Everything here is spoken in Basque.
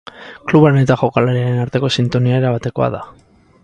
Klubaren eta jokalariaren arteko sintonia erabatekoa da.